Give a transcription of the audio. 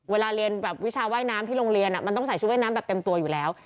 เวลาเรียนแบบวิชาว่ายน้ำที่โรงเรียนมันต้องใส่ชุดว่ายน้ำแบบเต็มตัวอยู่แล้ว